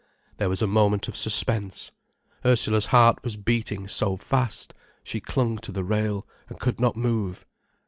There was a moment of suspense. Ursula's heart was beating so fast, she clung to the rail, and could not move.